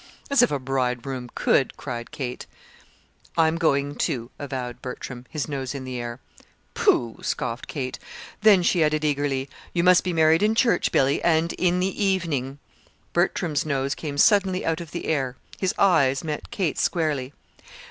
"As if a bridegroom could!" cried Kate. "I'm going to," avowed Bertram, his nose in the air. "Pooh!" scoffed Kate. Then she added eagerly: "You must be married in church, Billy, and in the evening." Bertram's nose came suddenly out of the air. His eyes met Kate's squarely.